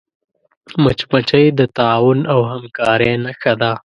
مچمچۍ د تعاون او همکاری نښه ده